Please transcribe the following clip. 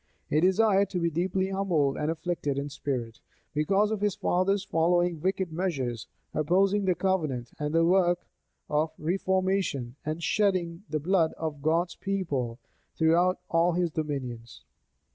He desired to be deeply humbled and afflicted in spirit, because of his father's following wicked measures, opposing the covenant and the work of reformation, and shedding the blood of God's people throughout all his dominions.